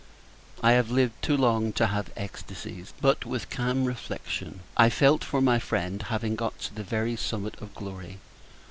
I have lived too long to have extacies! But, with calm reflection, I felt for my friend having got to the very summit of glory!